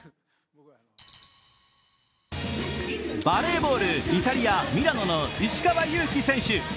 バレーボール、イタリア・ミラノの石川祐希選手